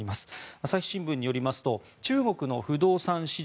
朝日新聞によりますと中国の不動産市場